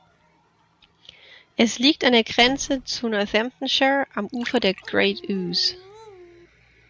Es liegt an der Grenze zu Northamptonshire am Ufer der Great Ouse.